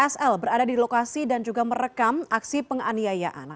sl berada di lokasi dan juga merekam aksi penganiayaan